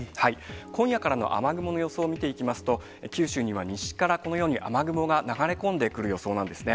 今夜からの雨雲の予想を見ていきますと、九州には西からこのように雨雲が流れ込んでくる予想なんですね。